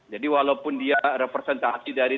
jadi walaupun dia representasi dari